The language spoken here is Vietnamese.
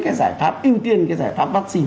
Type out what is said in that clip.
cái giải pháp ưu tiên cái giải pháp vaccine